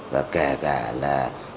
và kể cả là